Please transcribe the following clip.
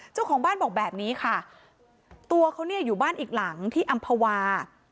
เจ้าของบ้านบอกแบบนี้ค่ะตัวเขาเนี่ยอยู่บ้านอีกหลังที่อำภาวา